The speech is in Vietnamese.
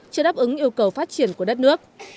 chưa đáp ứng yêu cầu phát triển của đất nước